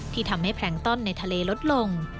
ทำให้แพลงต้อนในทะเลลดลง